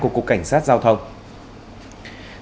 của cục cảnh sát giao thông bộ công an